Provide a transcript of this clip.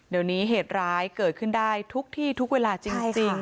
เดี๋ยวนี้เหตุร้ายเกิดขึ้นได้ทุกที่ทุกเวลาจริง